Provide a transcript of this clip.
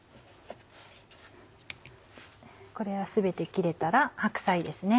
これを全て切れたら白菜ですね。